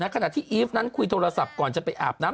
ขณะที่อีฟนั้นคุยโทรศัพท์ก่อนจะไปอาบน้ำ